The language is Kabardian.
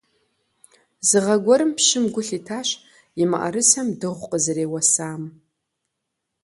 Зы гъэ гуэрым пщым гу лъитащ и мыӀэрысэм дыгъу къызэреуэсам.